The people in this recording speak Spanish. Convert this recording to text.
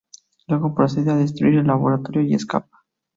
Luego procede a destruir el laboratorio y escapa.